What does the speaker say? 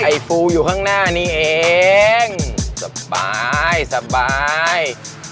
ไทฟูอยู่ข้างหน้านี่เองสบาย